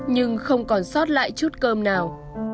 nhưng không còn sót lại chút cơm nào